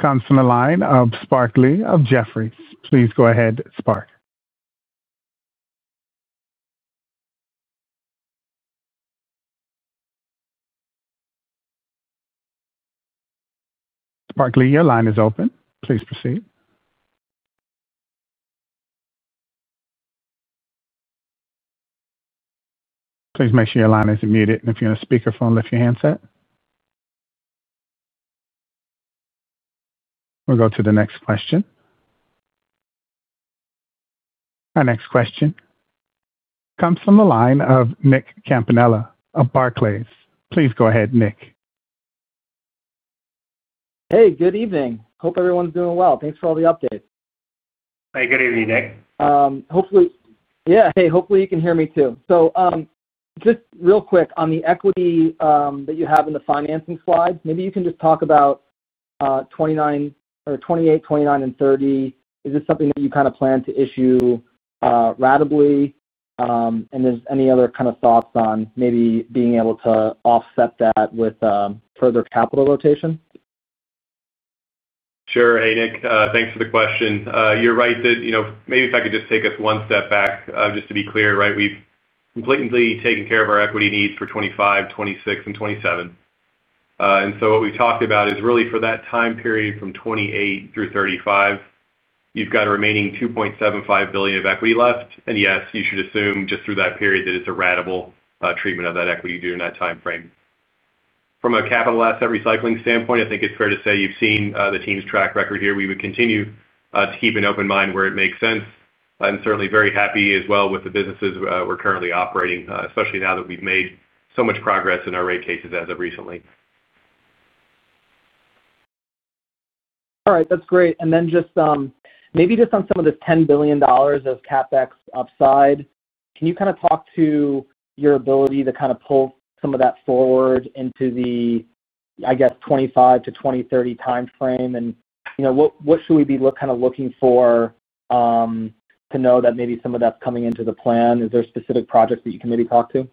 comes from the line of Spark Lee of Jefferies. Please go ahead, Spark. Spark Lee, your line is open. Please proceed. Please make sure your line is muted, and if you're on a speakerphone, lift your handset. We'll go to the next question. Our next question comes from the line of Nick Campanella of Barclays. Please go ahead, Nick. Hey, good evening. Hope everyone's doing well. Thanks for all the updates. Hey, good evening, Nick. Hopefully you can hear me too. Just real quick on the equity that you have in the financing slide, maybe you can just talk about 2029 or 2028, 2029, and 2030. Is this something that you kind of plan to issue ratably, and there's any other kind of thoughts on maybe being able to offset that with further capital rotation? Sure. Hey, Nick, thanks for the question. You're right that, you know, maybe if I could just take us one step back, just to be clear, we've completely taken care of our equity needs for 2025, 2026, and 2027. What we've talked about is really for that time period from 2028 through 2035, you've got a remaining $2.75 billion of equity left. Yes, you should assume just through that period that it's a ratable treatment of that equity during that time frame. From a capital asset recycling standpoint, I think it's fair to say you've seen the team's track record here. We would continue to keep an open mind where it makes sense. I'm certainly very happy as well with the businesses we're currently operating, especially now that we've made so much progress in our rate cases as of recently. All right, that's great. Maybe just on some of the $10 billion of CapEx upside, can you talk to your ability to pull some of that forward into the, I guess, 2025 to 2030 timeframe? What should we be looking for to know that maybe some of that's coming into the plan? Is there specific projects that you can talk to?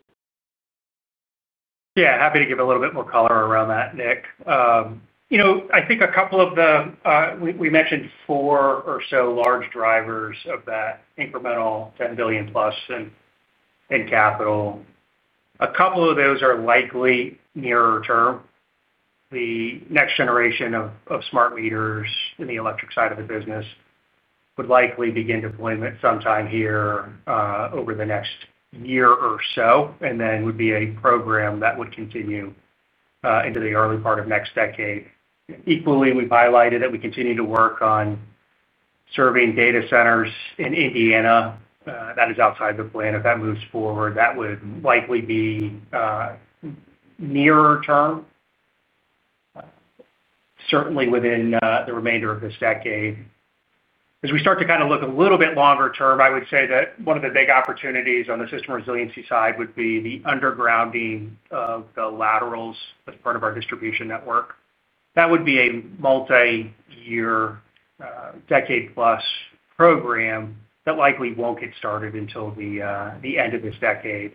Yeah, happy to give a little bit more color around that, Nick. I think a couple of the, we mentioned four or so large drivers of that incremental $10 billion+ in capital. A couple of those are likely nearer term. The next generation of smart meters in the electric side of the business would likely begin deployment sometime here over the next year or so, and then would be a program that would continue into the early part of next decade. Equally, we've highlighted that we continue to work on serving data centers in Indiana. That is outside the plan. If that moves forward, that would likely be nearer term, certainly within the remainder of this decade. As we start to look a little bit longer term, I would say that one of the big opportunities on the system resiliency side would be the undergrounding of the laterals as part of our distribution network. That would be a multi-year, decade-plus program that likely won't get started until the end of this decade.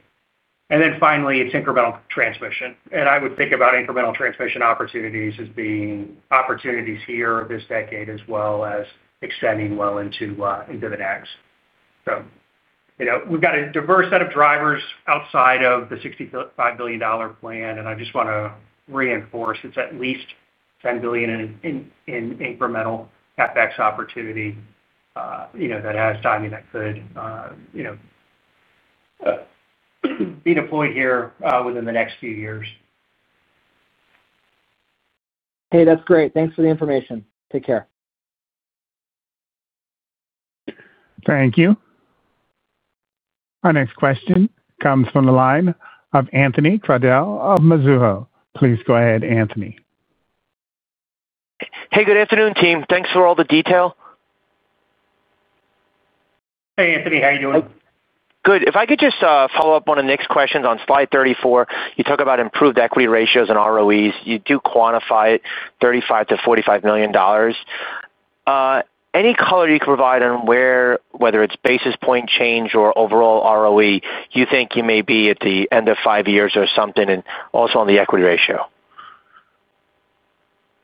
Finally, it's incremental transmission. I would think about incremental transmission opportunities as being opportunities here this decade as well as extending well into the next. We've got a diverse set of drivers outside of the $65 billion plan, and I just want to reinforce it's at least $10 billion in incremental CapEx opportunity that has timing that could be deployed here within the next few years. Hey, that's great. Thanks for the information. Take care. Thank you. Our next question comes from the line of Anthony Crowdell of Mizuho. Please go ahead, Anthony. Hey, good afternoon, team. Thanks for all the detail. Hey, Anthony. How are you doing? Good. If I could just follow up on the next questions on slide 34, you talk about improved equity ratios and ROEs. You do quantify it $35 million-$45 million. Any color you can provide on where, whether it's basis point change or overall ROE, you think you may be at the end of five years or something, and also on the equity ratio?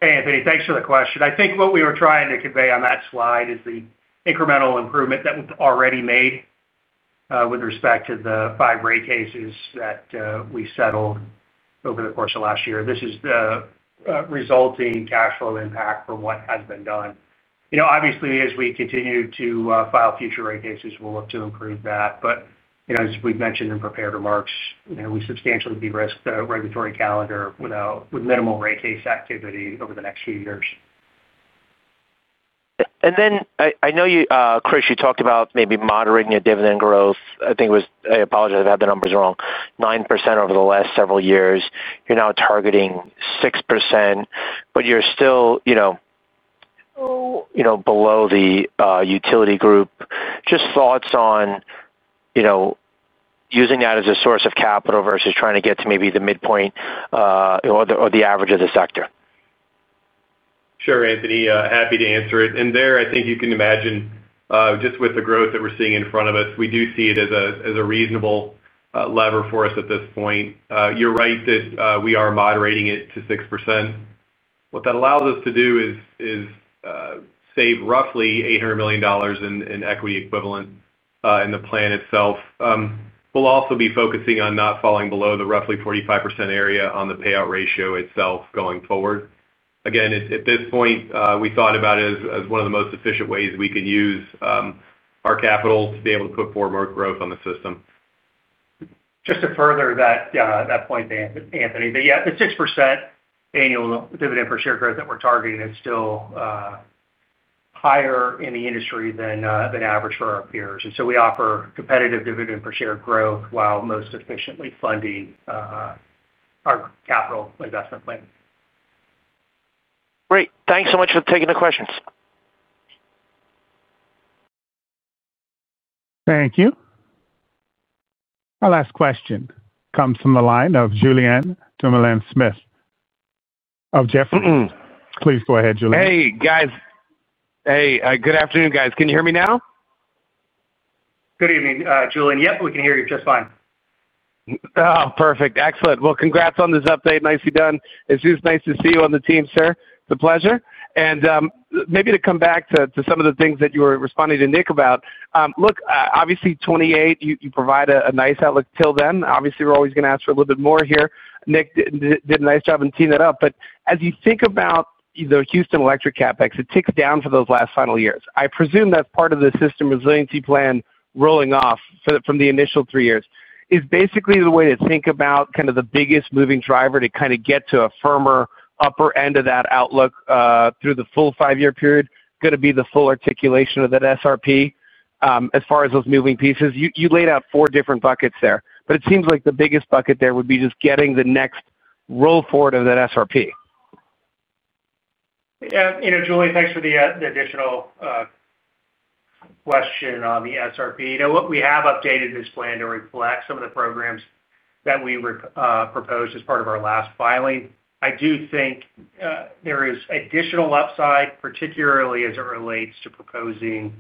Hey, Anthony. Thanks for the question. I think what we were trying to convey on that slide is the incremental improvement that we've already made with respect to the five rate cases that we settled over the course of last year. This is the resulting cash flow impact from what has been done. Obviously, as we continue to file future rate cases, we'll look to improve that. As we've mentioned in prepared remarks, we substantially de-risked the regulatory calendar with minimal rate case activity over the next few years. I know you, Chris, you talked about maybe moderating your dividend growth. I think it was, I apologize, I have the numbers wrong, 9% over the last several years. You're now targeting 6%, but you're still, you know, below the utility group. Just thoughts on, you know, using that as a source of capital versus trying to get to maybe the midpoint or the average of the sector. Sure, Anthony. Happy to answer it. I think you can imagine, just with the growth that we're seeing in front of us, we do see it as a reasonable lever for us at this point. You're right that we are moderating it to 6%. What that allows us to do is save roughly $800 million in equity equivalent in the plan itself. We'll also be focusing on not falling below the roughly 45% area on the payout ratio itself going forward. At this point, we thought about it as one of the most efficient ways we can use our capital to be able to put forward more growth on the system. Just to further that point, Anthony, the 6% annual dividend per share growth that we're targeting is still higher in the industry than average for our peers. We offer competitive dividend per share growth while most efficiently funding our capital investment plan. Great. Thanks so much for taking the questions. Thank you. Our last question comes from the line of Julien Dumoulin-Smith of Jefferies. Please go ahead, Julien. Hey, guys. Good afternoon, guys. Can you hear me now? Good evening, Julien. Yep, we can hear you just fine. Oh, perfect. Excellent. Congrats on this update. Nicely done. Jesus, nice to see you on the team, sir. The pleasure. Maybe to come back to some of the things that you were responding to Nick about, look, obviously 2028, you provide a nice outlook till then. Obviously, we're always going to ask for a little bit more here. Nick did a nice job and teed that up. As you think about the Houston Electric CapEx, it ticks down for those last final years. I presume that's part of the System Resiliency Plan rolling off from the initial three years. Is basically the way to think about kind of the biggest moving driver to kind of get to a firmer upper end of that outlook through the full five-year period going to be the full articulation of that SRP? As far as those moving pieces, you laid out four different buckets there. It seems like the biggest bucket there would be just getting the next roll forward of that SRP. Yeah, you know, Julien, thanks for the additional question on the System Resiliency Plan. Look, we have updated this plan to reflect some of the programs that we proposed as part of our last filing. I do think there is additional upside, particularly as it relates to proposing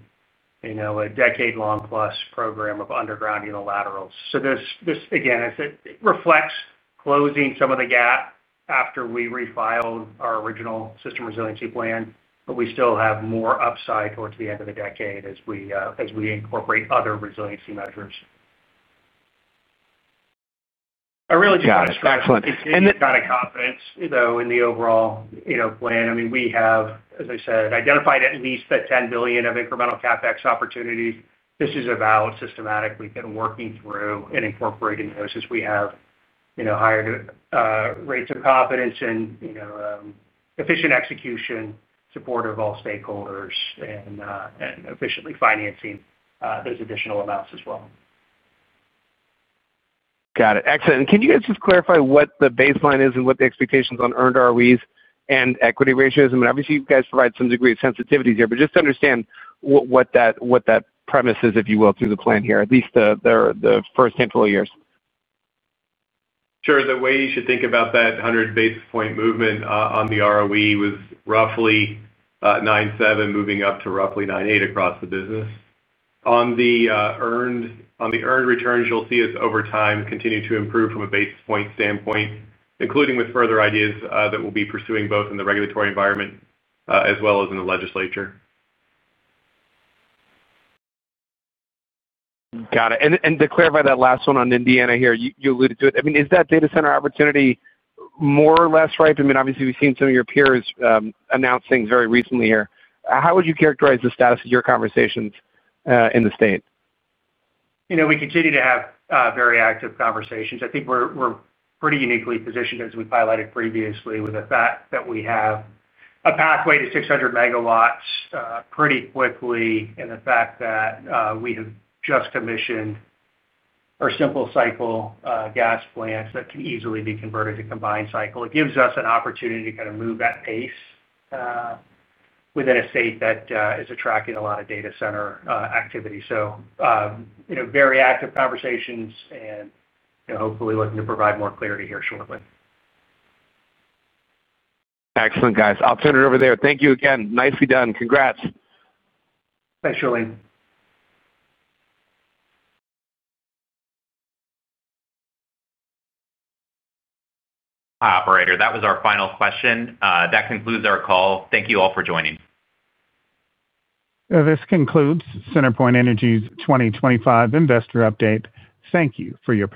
a decade-long plus program of underground unilaterals. This, again, reflects closing some of the gap after we refiled our original System Resiliency Plan, but we still have more upside towards the end of the decade as we incorporate other resiliency measures. I really just want to stress the kind of confidence in the overall plan. I mean, we have, as I said, identified at least the $10 billion of incremental CapEx opportunities. This is a valid systematic process we've been working through and incorporating those as we have higher rates of confidence and efficient execution, support of all stakeholders, and efficiently financing those additional amounts as well. Got it. Excellent. Can you guys just clarify what the baseline is and what the expectations on earned ROEs and equity ratios are? I mean, obviously, you guys provide some degree of sensitivity here, but just to understand what that premise is, if you will, through the plan here, at least the first 10, 12 years. Sure. The way you should think about that 100 basis point movement on the ROE was roughly 9.7%, moving up to roughly 9.8% across the business. On the earned returns, you'll see us over time continue to improve from a basis point standpoint, including with further ideas that we'll be pursuing both in the regulatory environment as well as in the legislature. Got it. To clarify that last one on Indiana here, you alluded to it. Is that data center opportunity more or less ripe? Obviously, we've seen some of your peers announce things very recently here. How would you characterize the status of your conversations in the state? We continue to have very active conversations. I think we're pretty uniquely positioned, as we highlighted previously, with the fact that we have a pathway to 600 MW pretty quickly and the fact that we have just commissioned our simple cycle gas plant that can easily be converted to combined cycle. It gives us an opportunity to kind of move that pace within a state that is attracting a lot of data center activity. Very active conversations and hopefully looking to provide more clarity here shortly. Excellent, guys. I'll turn it over there. Thank you again. Nicely done. Congrats. Thanks, Julien. Operator, that was our final question. That concludes our call. Thank you all for joining. This concludes CenterPoint Energy's 2025 Investor Update. Thank you for your time.